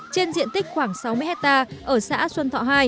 trên diện tích khoảng sáu mươi hectare ở xã xuân thọ hai